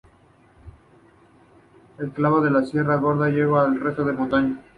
Enclavado en la Sierra Gorda, está lleno de cerros y montañas.